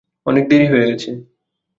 অনেক দেরি হয়ে গেছে।